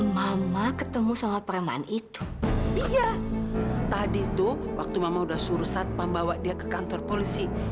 mama ketemu sama perman itu iya tadi tuh waktu mama udah suruh satpam bawa dia ke kantor polisi